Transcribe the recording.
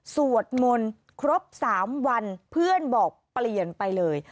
สวดมนต์ครบ๓วันเพื่อนบอกเปลี่ยนไปเลย